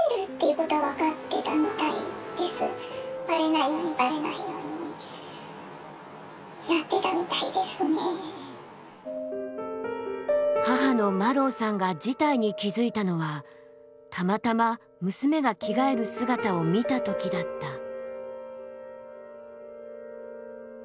後々聞いて母のマロウさんが事態に気付いたのはたまたま娘が着替える姿を見た時だった。